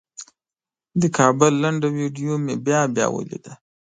د کابل لنډه ویډیو مې بیا بیا ولیده.